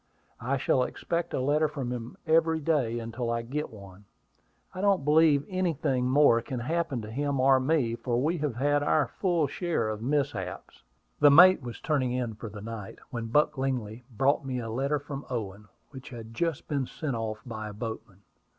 "I shall expect a letter from him every day until I get one. I don't believe anything more can happen to him or me, for we have had our full share of mishaps." The mate was turning in for the night, when Buck Lingley brought me a note from Owen, which had just been sent off by a boatman.